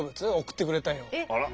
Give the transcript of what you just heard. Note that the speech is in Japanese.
あら。